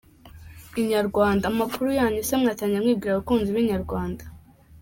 Inyarwanda: Amakuru yanyu, ese mwatangira mwibwira abakunzi b’inyarwanda.